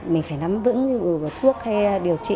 mình phải nắm vững thuốc hay điều trị